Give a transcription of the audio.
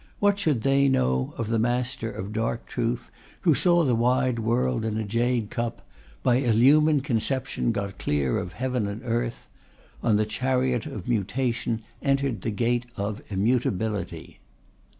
What should they know of the Master of Dark Truth Who saw the wide world in a jade cup, By illumined conception got clear of heaven and earth: On the chariot of Mutation entered the Gate of Immutability?